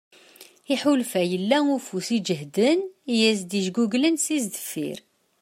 Iḥulfa yella ufus iǧehden i yas-d-ijguglen si deffir.